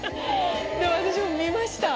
私も見ました。